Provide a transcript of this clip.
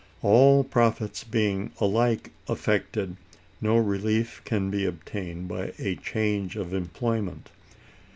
All profits being alike affected, no relief can be obtained by a change of employment.